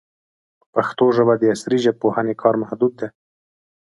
په پښتو ژبه د عصري ژبپوهنې کار محدود دی.